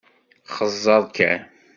Xezzeṛ kan.